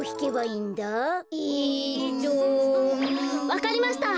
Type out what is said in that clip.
わかりました！